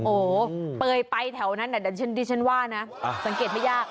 โอ้โหเปยไปแถวนั้นดิฉันว่านะสังเกตไม่ยาก